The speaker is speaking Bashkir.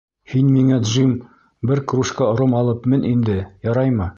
Һин миңә, Джим, бер кружка ром алып мен инде, яраймы?